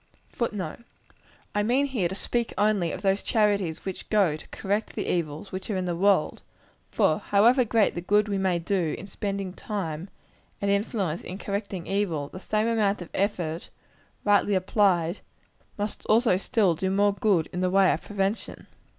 [Footnote: I mean, here, to speak only of those charities which go to correct the evils, which are in the world; for however great the good we may do in spending time and influence in correcting evil, the same amount of effort, rightly applied, must always do still more good in the way of prevention.